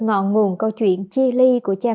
ngọn nguồn câu chuyện chia ly của cha mẹ